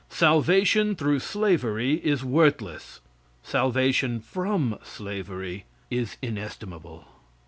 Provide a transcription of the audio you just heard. Salvation through slavery is worthless. Salvation from slavery is inestimable.